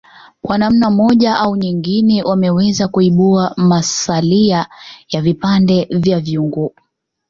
Kwa namna moja au nyengine wameweza kuibua masalia ya vipande vya vyungu